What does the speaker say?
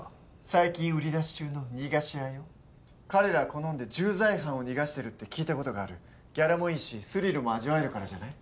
最近売り出し中の逃がし屋よ彼らは好んで重罪犯を逃がしてるって聞いたことがあるギャラもいいしスリルも味わえるからじゃない？